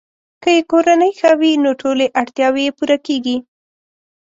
که یې کورنۍ ښه وي، نو ټولې اړتیاوې یې پوره کیږي.